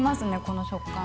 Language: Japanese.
この食感。